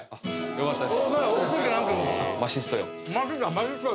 よかったです